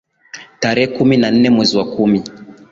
tarehe kumi na nne mwezi wa kumi